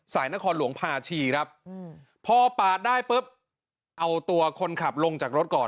นครหลวงพาชีครับพอปาดได้ปุ๊บเอาตัวคนขับลงจากรถก่อน